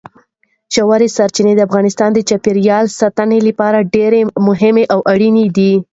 ژورې سرچینې د افغانستان د چاپیریال ساتنې لپاره ډېر مهم او اړین دي.